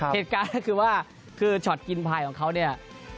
เหตุการณ์ก็คือว่าคือช็อตกินพายของเขาเนี่ย